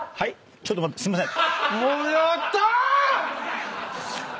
ちょっと待ってすいません。